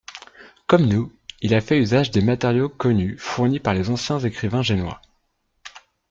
Comme nous, il a fait usage des matériaux connus fournis par les anciens écrivains génois.